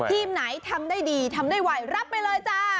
ทีมไหนทำได้ดีทำได้ไวรับไปเลยจ้า